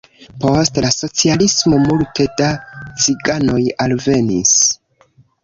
Post la socialismo multe da ciganoj alvenis.